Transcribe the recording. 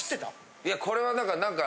いやこれは何か。